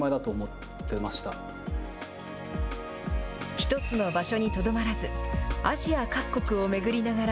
１つの場所にとどまらず、アジア各国を巡り乍ら